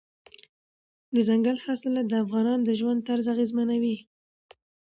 دځنګل حاصلات د افغانانو د ژوند طرز اغېزمنوي.